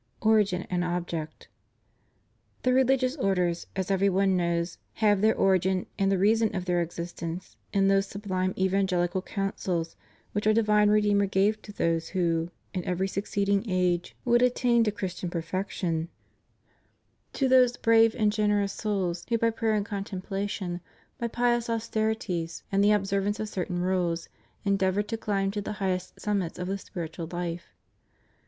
ORIGIN AND OBJECT. The religious orders, as every one knows, have their origin and the reason of their existence in those sublime evangelical counsels which Our divine Redeemer gave to those who, in every succeeding age, would attain tCi 496 496 THE RELIGIOUS CONGREGATIONS IN FRANCE. Christian perfection — to those brave and generous souls who by prayer and contemplation, by pious austerities and the observance of certain rules, endeavor to cUrab to the highest summits of the spiritual life.